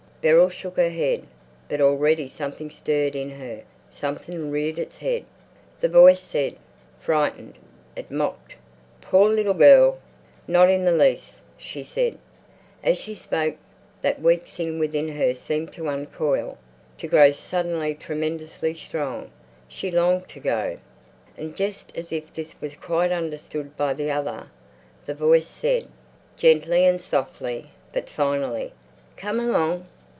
Beryl shook her head. But already something stirred in her, something reared its head. The voice said, "Frightened?" It mocked, "Poor little girl!" "Not in the least," said she. As she spoke that weak thing within her seemed to uncoil, to grow suddenly tremendously strong; she longed to go! And just as if this was quite understood by the other, the voice said, gently and softly, but finally, "Come along!"